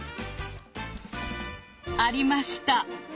ありました！